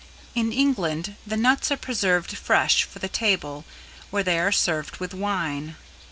In England the nuts are preserved fresh for the table where they are served with wine.